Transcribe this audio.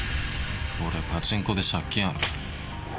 俺パチンコで借金あるから。